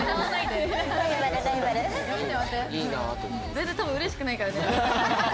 全然多分うれしくないから。